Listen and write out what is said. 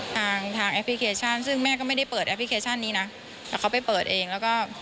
แต่เขาไปเปิดเองแล้วก็